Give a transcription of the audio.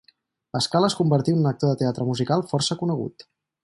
Pascal es convertí en un actor de teatre musical força conegut.